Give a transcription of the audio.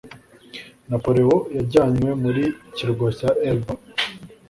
Napoleon yajyanywe mu kirwa cya Elba